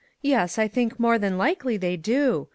Yes, I think more than likely they do.